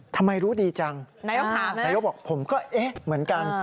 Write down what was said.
ทำไมรู้ดีจังนายกบอกผมก็เอ๊ะเหมือนกัน